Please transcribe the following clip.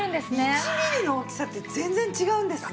１ミリの大きさって全然違うんですね。